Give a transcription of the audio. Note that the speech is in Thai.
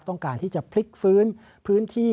ต้องการที่จะพลิกฟื้นพื้นที่